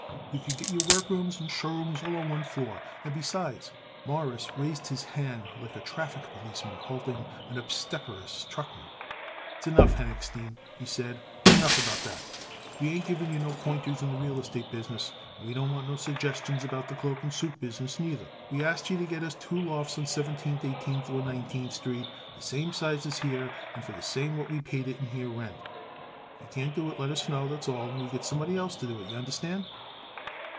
"You could get your workrooms and show rooms all on one floor, and besides " Morris raised his hand like a traffic policeman halting an obstreperous truckman. "S'enough, Henochstein," he said. "S'enough about that. We ain't giving you no pointers in the real estate business, and we don't want no suggestions about the cloak and suit business neither. We asked it you to get us two lofts on Seventeenth, Eighteenth or Nineteenth Street, the same size as here and for the same what we pay it here rent. If you can't do it let us know, that's all, and we get somebody else to do it. Y'understand?"